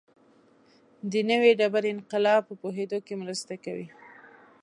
د نوې ډبرې انقلاب په پوهېدو کې مرسته کوي